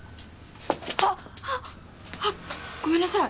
あ！あっごめんなさい！